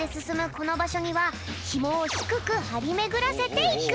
このばしょにはヒモをひくくはりめぐらせていく。